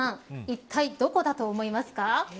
いったいどこだと思いますか。